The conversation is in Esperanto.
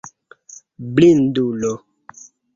Blindulo!